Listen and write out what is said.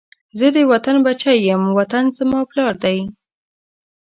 زه د وطن بچی یم، وطن زما پلار دی